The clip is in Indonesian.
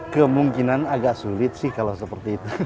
kemungkinan agak sulit sih kalau seperti itu